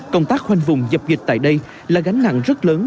công tác khoanh vùng dập dịch tại đây là gánh nặng rất lớn